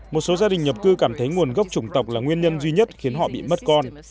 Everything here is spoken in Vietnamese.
một số gia đình nhập cư cảm thấy nguồn gốc trùng tộc là nguyên nhân duy nhất khiến họ bị mất con